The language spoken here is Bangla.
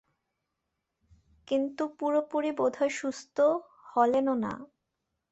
কিন্তু পুরোপুরি বোধহয় সুস্থ হলেনও না।